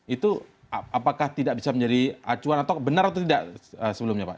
itu apakah tidak bisa menjadi acuan atau benar atau tidak sebelumnya pak